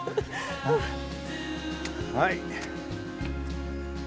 はい。